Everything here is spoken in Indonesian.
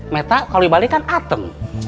meta kalau dibalikkan atem